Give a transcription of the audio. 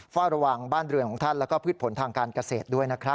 ฝ่าระหว่างบ้านเรือมของท่านและพรึทธศ์ผลทางการเกษตร